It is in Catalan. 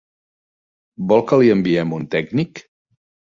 Vol que li enviem un tècnic?